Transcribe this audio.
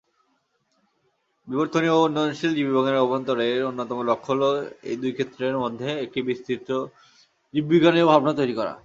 বিবর্তনীয় উন্নয়নশীল জীববিজ্ঞানের অভ্যন্তরে; এর অন্যতম লক্ষ্য হলো, এই দুই ক্ষেত্রের মধ্যে একটা বিস্তৃত জীববিজ্ঞানীয় ভাবনা তৈরী করা।